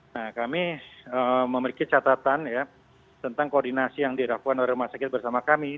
nah kami memiliki catatan ya tentang koordinasi yang dilakukan oleh rumah sakit bersama kami